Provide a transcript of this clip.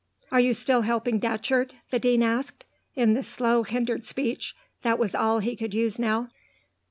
"Are you still helping Datcherd?" the Dean asked, in the slow, hindered speech that was all he could use now.